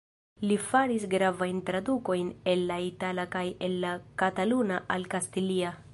Li faris gravajn tradukojn el la itala kaj el la kataluna al kastilia.